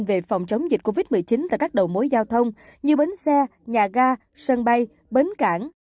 về phòng chống dịch covid một mươi chín tại các đầu mối giao thông như bến xe nhà ga sân bay bến cảng